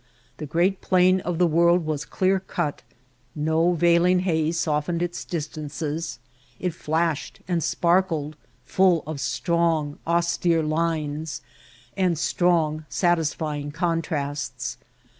The great plain of the world was clear cut, no veiling haze softened its distances, it flashed and sparkled, full of strong, austere lines and strong, satisfying con trasts.